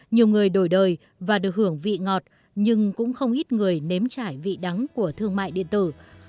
nhiều người đổi đời và được hưởng vị ngọt nhưng cũng không ít người nếm trải vị đắng của thương mại điện tử